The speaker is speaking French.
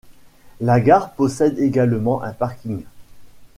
La gare possède également un parking.